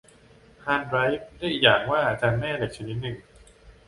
ฮาร์ดไดรฟ์ เรียกอีกอย่างว่าจานแม่เหล็กชนิดแข็ง